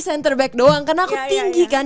center back doang karena aku tinggi kan